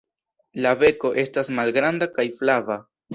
La beko estas malgranda kaj flava.